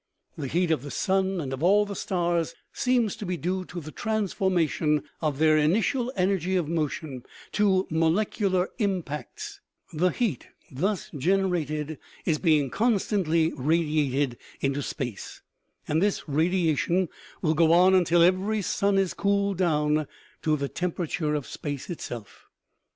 The heat of the sun and of all the stars seems to be due to the transformation of their initial energy of mo tion, to molecular impacts ; the heat thus generated is being constantly radiated into space, and this radiation will go on until every sun is cooled down to the temperature of space itself.